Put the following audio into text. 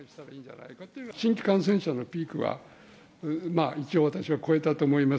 新規感染者のピークは一応私は越えたと思います。